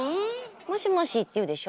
「もしもし」って言うでしょ？